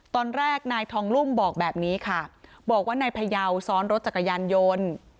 ตอนแรกนายทองลุ่มบอกแบบนี้ค่ะบอกว่านายพยาวซ้อนรถจักรยานยนต์